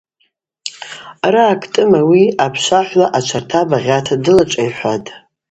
Араъа Кӏтӏым ауи апшвахӏвла ачварта багъьата дылашӏайхӏватӏ.